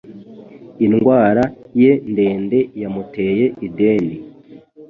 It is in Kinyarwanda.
Indwara ye ndende yamuteye ideni